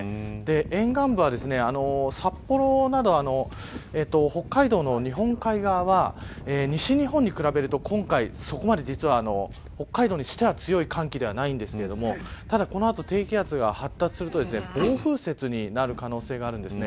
沿岸部は札幌など北海道の日本海側は西日本に比べると今回、そこまで実は北海道にしては強い寒気ではないんですがただ、この後低気圧が発達すると暴風雪になる可能性があります。